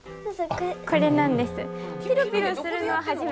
これなんです。